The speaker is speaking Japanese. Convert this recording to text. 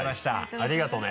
ありがとうね。